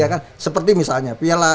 ya kan seperti misalnya piala